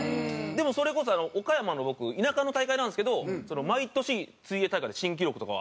でもそれこそ岡山の僕田舎の大会なんですけど毎年水泳大会で新記録とか。